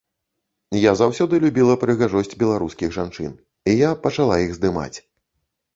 Я заўсёды любіла прыгажосць беларускіх жанчын і я пачала іх здымаць.